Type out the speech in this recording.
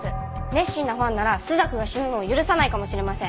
熱心なファンなら朱雀が死ぬのを許さないかもしれません。